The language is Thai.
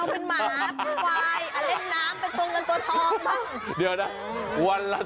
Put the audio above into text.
อยากเป็นแมวเป็นหมาเป็นวายเล่นน้ำเป็นตัวเงินตัวทองบ้าง